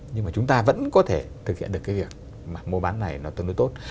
nhưng mà chúng ta vẫn có thể thực hiện được cái việc mà mua bán này nó tương đối tốt